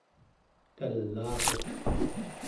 talaariq